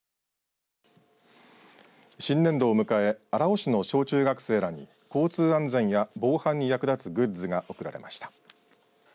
新年度を迎え荒尾市の小中学生らに交通安全や防犯に役立つグッズが贈られました。